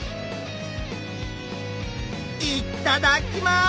いっただっきます！